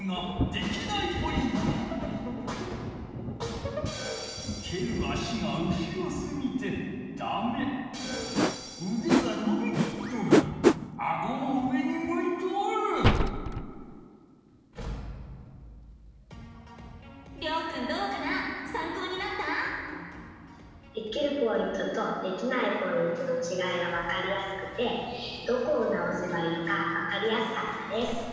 できるポイントとできないポイントのちがいが分かりやすくてどこを直せばいいか分かりやすかったです。